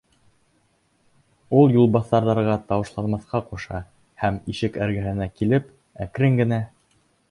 Ул юлбаҫарҙарға тауышланмаҫҡа ҡуша һәм, ишек эргәһенә килеп, әкрен генә: